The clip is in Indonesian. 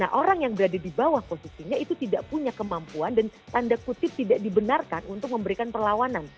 nah orang yang berada di bawah posisinya itu tidak punya kemampuan dan tanda kutip tidak dibenarkan untuk memberikan perlawanan